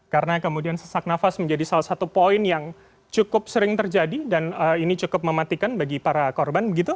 karena kemudian sesak nafas menjadi salah satu poin yang cukup sering terjadi dan ini cukup mematikan bagi para korban